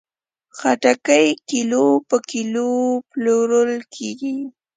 خټکی کیلو په کیلو پلورل کېږي.